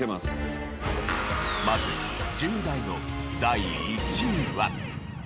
まず１０代の第１位は。